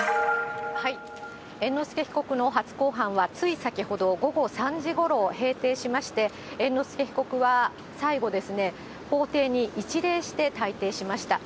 猿之助被告の初公判は、つい先ほど午後３時ごろ、閉廷しまして、猿之助被告は最後ですね、法廷に一礼して、退廷しました。